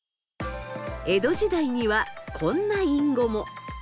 江戸時代にはこんな隠語も。